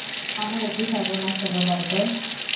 আমার এ কী সর্বনাশ হল বল তো?